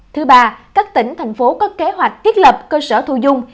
thứ ba các tỉnh thành phố có kế hoạch thiết lập cơ sở thu dung